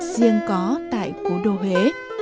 riêng có tại cố đô huế